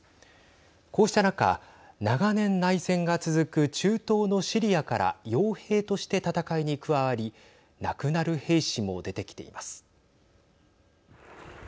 こうした中、長年内戦が続く中東のシリアからよう兵として戦いに加わり亡くなる兵士も出てきています。